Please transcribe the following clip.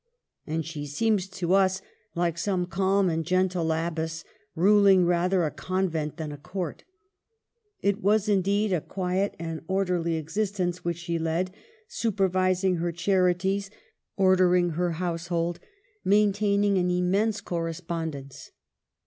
And she seems to us like some calm and gentle abbess, ruling rather a convent than a court. It v/as, indeed, a quiet and orderly existence which she led, supervising her charities, ordering her house hold, maintaining an immense correspondence.